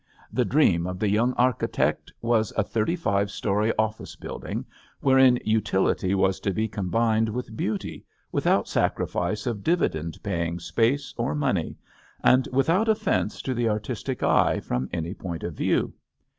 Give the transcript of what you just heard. The dream of the young architect was a thirty five story office building wherein utility was to be combined with beauty without sacri fice of dividend paying space or money, and without offense to the artistic eye from any point of view.